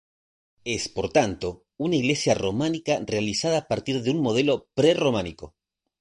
Es por tanto una iglesia románica realizada a partir de un modelo prerrománico.